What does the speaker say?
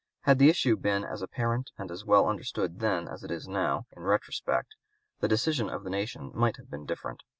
Had the issue been as apparent and as well understood then as it is now, in retrospect, the decision of the nation might have been different.